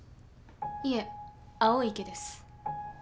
いえ青池です。